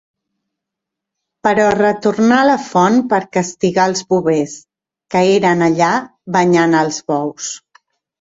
Però retornà a la font per castigar els bovers, que eren allà banyant els bous.